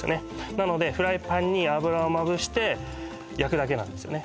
なのでフライパンに油をまぶして焼くだけなんですよね